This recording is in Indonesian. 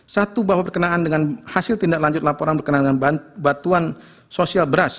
satu bahwa berkenaan dengan hasil tindak lanjut laporan berkenaan dengan batuan sosial beras